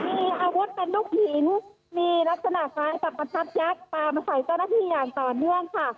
มีอาวุธเป็นลูกหินมีลักษณะคล้ายกับประทัดยักษ์ปลามาใส่เจ้าหน้าที่อย่างต่อเนื่องค่ะ